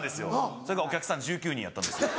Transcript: それがお客さん１９人やったんですよ。